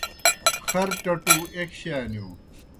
خر ٹٹُو ایْک شانِیؤ